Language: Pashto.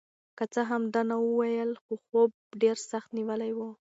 که څه هم ده نه وویل خو خوب ډېر سخت نیولی و.